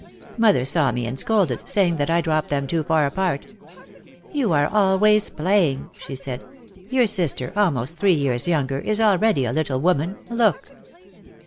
Mother saw me and scolded, saying that I dropped them too far apart. "You are always playing," she said. "Your sister, almost three years younger, is already a little woman; look!"